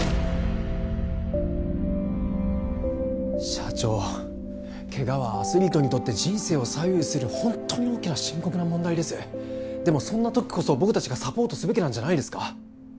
社長ケガはアスリートにとって人生を左右するホントに大きな深刻な問題ですでもそんな時こそ僕達がサポートすべきなんじゃないですか？